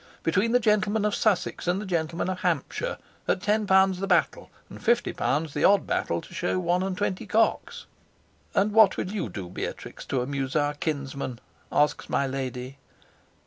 between the gentlemen of Sussex and the gentlemen of Hampshire, at ten pound the battle, and fifty pound the odd battle to show one and twenty cocks." "And what will you do, Beatrix, to amuse our kinsman?" asks my lady.